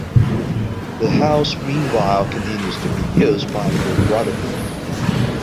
The house meanwhile continues to be used by the brotherhood.